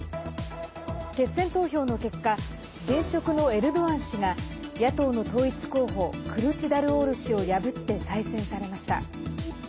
決選投票の結果現職のエルドアン氏が野党の統一候補クルチダルオール氏を破って再選されました。